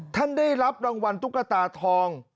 ได้รับรางวัลตุ๊กตาทอง